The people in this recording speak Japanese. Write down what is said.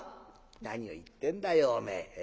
「何を言ってんだよおめえ。